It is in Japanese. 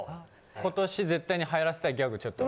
今年絶対に流行らせたいギャグをちょっと。